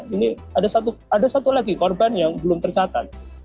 ini ada satu lagi korban yang belum tercatat